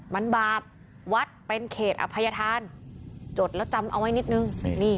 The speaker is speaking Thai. มันบาปวัดเป็นเขตอภัยธานจดแล้วจำเอาไว้นิดนึง